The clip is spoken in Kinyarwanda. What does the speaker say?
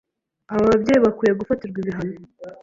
aba babyeyi bakwiye gufatirwa ibihano